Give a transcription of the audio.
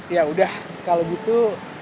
ya udah kalau gitu